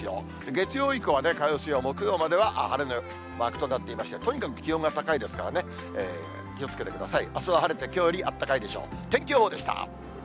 月曜以降は火曜、水曜、木曜までは晴れのマークとなっていまして、とにかく気温が高いですからね、気をつけてください。